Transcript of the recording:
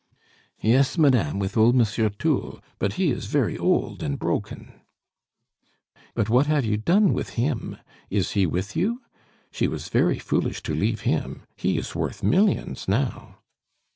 "Yes, madame, with old Monsieur Thoul, but he is very old and broken " "But what have you done with him? Is he with you? She was very foolish to leave him; he is worth millions now."